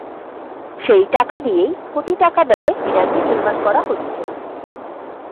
সেই টাকা দিয়েই কোটি টাকা ব্যয়ে মিনারটি নির্মাণ করা হচ্ছে।